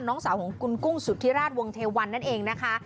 น้องสาวของคุณกุ้งสุธิราชวงเทวันนั่นเองนะคะ